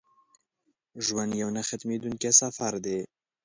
ژوند یو نه ختمېدونکی سفر دی.